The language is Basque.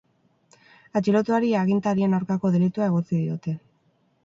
Atxilotuari agintarien aurkako delitua egotzi diote.